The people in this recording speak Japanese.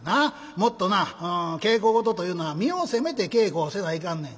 もっとな稽古事というのは身を責めて稽古をせないかんねん。